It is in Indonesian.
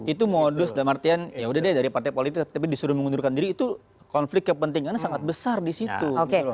itu modus dalam artian yaudah dari partai politik tapi disuruh mengundurkan diri itu konflik yang penting karena sangat besar disitu